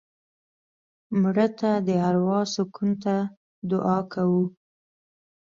مړه ته د اروا سکون ته دعا کوو